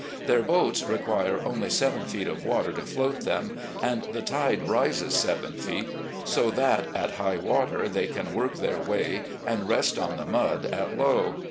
Their boats require only seven feet of water to float them, and the tide rises seven feet, so that at high water they can work their way and rest on the mud at low.